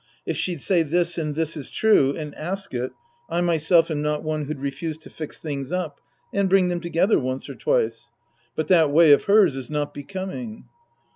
If she'd say this and this is true and ask it, I myself am not one who'd refuse to fix things up and bring them together once or twice. But that way of hers is not becoming.